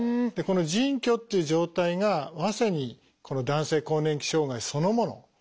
でこの腎虚っていう状態がまさにこの男性更年期障害そのもの